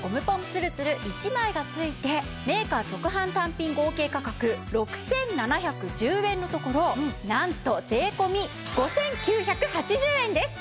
つるつる１枚が付いてメーカー直販単品合計価格６７１０円のところなんと税込５９８０円です！